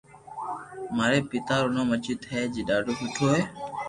ماري پيتا رو نوم اجيت ھي جي ڌاڌو سٺو ھي